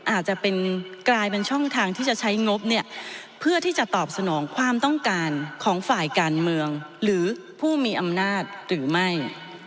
อาจจะเป็นกลายเป็นช่องทางที่จะใช้งบเนี่ยเพื่อที่จะตอบสนองความต้องการของฝ่ายการเมืองหรือผู้มีอำนาจหรือไม่